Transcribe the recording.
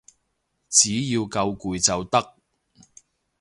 只要夠攰就得